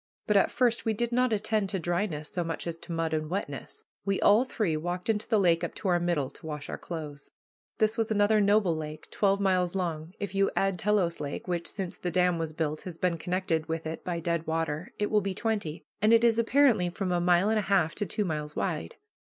But at first we did not attend to dryness so much as to mud and wetness. We all three walked into the lake up to our middle to wash our clothes. This was another noble lake, twelve miles long; if you add Telos Lake, which, since the dam was built, has been connected with it by dead water, it will be twenty; and it is apparently from a mile and a half to two miles wide.